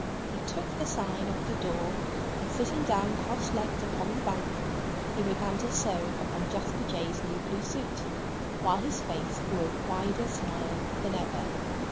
He took the sign off the door; and sitting down cross legged upon the bank, he began to sew upon Jasper Jay's new blue suit, while his face wore a wider smile than ever.